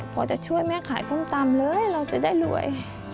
พอจะช่วยแม่ขายส้มตำเลยเราจะได้รวย